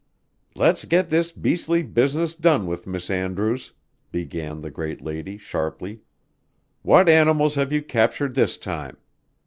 "Let's get this beastly business done with, Miss Andrews," began the great lady sharply. "What animals have you captured this time?